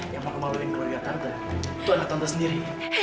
yang memalukan keluarga tante itu anak tante sendiri